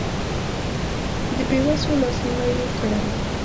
د بې وسو لاسنیوی یې کړی.